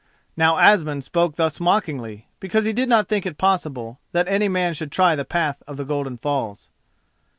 Now Asmund spoke thus mockingly because he did not think it possible that any man should try the path of the Golden Falls.